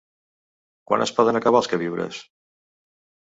Quan es poden acabar els queviures?